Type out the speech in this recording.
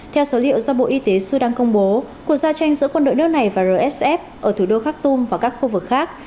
theo số liệu do bộ y tế sudan công bố cuộc giao tranh giữa quân đội nước này và rsf ở thủ đô khak tum và các khu vực khác